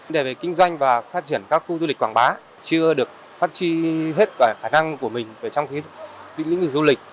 để về kinh doanh và phát triển các khu du lịch quảng bá chưa được phát tri hết khả năng của mình trong lĩnh vực du lịch